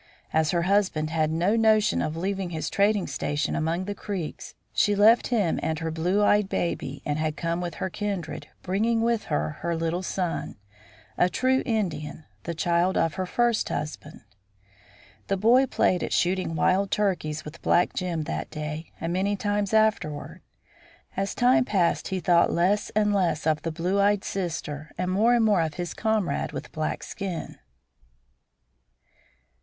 As her husband had no notion of leaving his trading station among the Creeks, she had left him and her blue eyed baby and had come with her kindred, bringing with her her little son, a true Indian, the child of her first husband. The boy played at shooting wild turkeys with black Jim that day, and many times afterward. As time passed he thought less and less of the blue eyed sister and more and more of his comrade with a black skin.